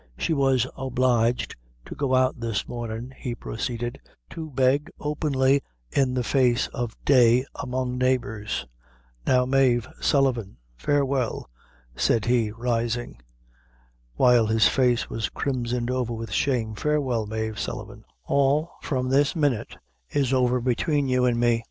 "She was obliged to go out this mornin'," he proceeded, "to beg openly in the face of day among the neighbors! Now, Mave Sullivan, farewell!" said he rising, while his face was crimsoned over with shame; "farewell, Mave Sullivan; all, from this minute, is over between you an' me.